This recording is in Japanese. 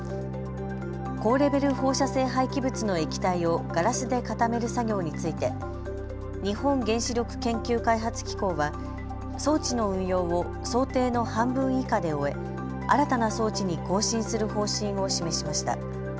高レベル放射性廃棄物の液体をガラスで固める作業について日本原子力研究開発機構は装置の運用を想定の半分以下で終え、新たな装置に更新する方針を示しました。